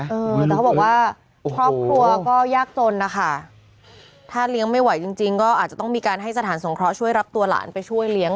เออแต่เขาบอกว่าครอบครัวก็ยากจนนะคะถ้าเลี้ยงไม่ไหวจริงจริงก็อาจจะต้องมีการให้สถานสงเคราะห์ช่วยรับตัวหลานไปช่วยเลี้ยง